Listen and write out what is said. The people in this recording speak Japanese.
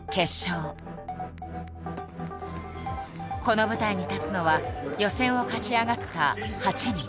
この舞台に立つのは予選を勝ち上がった８人。